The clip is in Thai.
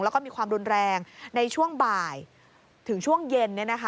แล้วก็มีความรุนแรงในช่วงบ่ายถึงช่วงเย็น